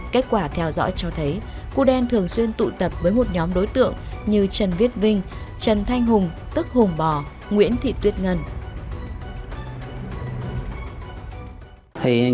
kết quả theo dõi cho thấy cụ đen thường xuyên tụ tập với một nhóm đối tượng như trần viết vinh trần thanh hùng tức hùng bò nguyễn thị tuyết ngân